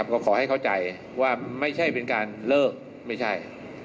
ก็ขอให้เข้าใจว่าไม่ใช่เป็นการเลิกไม่ใช่